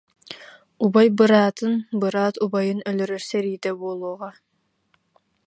Убай быраатын, быраат убайын өлөрөр сэриитэ буолуоҕа